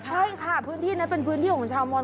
ใช่ค่ะพื้นที่นั้นเป็นพื้นที่ของชาวมอน